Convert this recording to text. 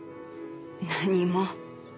何も。